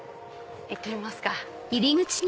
行ってみますか。